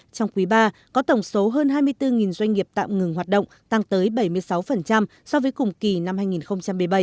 trong quý ba có tổng số hơn hai mươi bốn doanh nghiệp tạm ngừng hoạt động tăng tới bảy mươi sáu so với cùng kỳ năm hai nghìn một mươi bảy